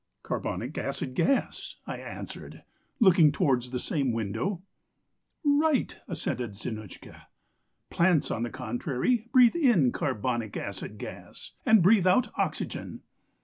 "'Carbonic acid gas,' I answered, looking towards the same window. "'Right,' assented Zinotchka. 'Plants, on the contrary, breathe in carbonic acid gas, and breathe out oxygen.